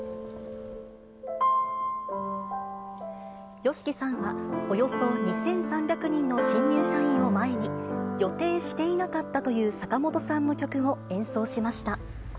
ＹＯＳＨＩＫＩさんは、およそ２３００人の新入社員を前に、予定していなかったという坂本さんの曲を演奏しました。